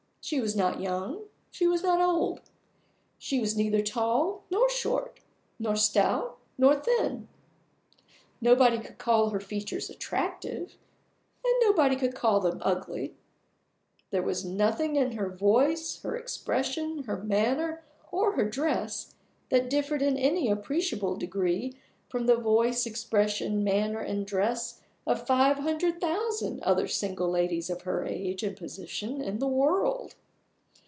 She was not young, she was not old; she was neither tall nor short, nor stout nor thin; nobody could call her features attractive, and nobody could call them ugly; there was nothing in her voice, her expression, her manner, or her dress that differed in any appreciable degree from the voice, expression, manner, and dress of five hundred thousand other single ladies of her age and position in the world.